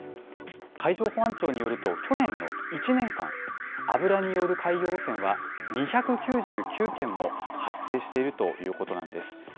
海上保安庁によると去年の１年間、油による海洋汚染は２９９件も発生しているということなんです。